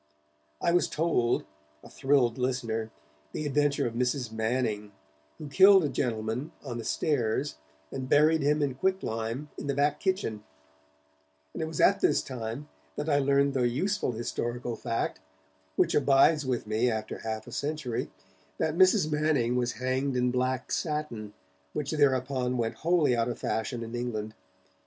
I was told, a thrilled listener, the adventure of Mrs. Manning, who killed a gentleman on the stairs and buried him in quick lime in the back kitchen, and it was at this time that I learned the useful historical fact, which abides with me after half a century, that Mrs. Manning was hanged in black satin, which thereupon went wholly out of fashion in England.